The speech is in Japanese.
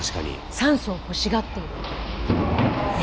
酸素を欲しがっているって。ね？